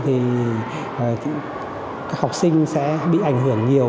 thì học sinh sẽ bị ảnh hưởng nhiều